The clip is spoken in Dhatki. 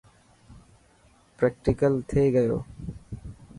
پريڪٽيڪل ٿئي گيو.